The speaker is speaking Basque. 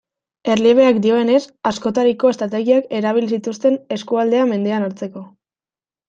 Erliebeak dioenez, askotariko estrategiak erabili zituzten eskualdea mendean hartzeko.